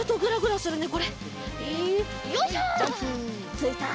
ついた！